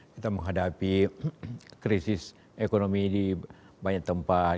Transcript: kita menghadapi krisis ekonomi di banyak tempat